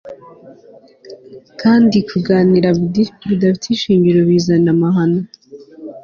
kandi kuganira bidafite ishingiro bizana amahano